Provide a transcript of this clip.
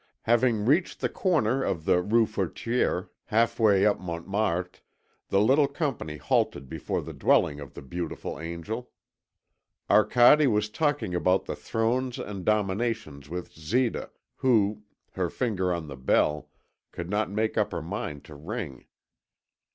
Having reached the corner of the Rue Feutrier, half way up Montmartre, the little company halted before the dwelling of the beautiful angel. Arcade was talking about the Thrones and Dominations with Zita, who, her finger on the bell, could not make up her mind to ring.